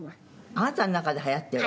あなたの中で流行ってる？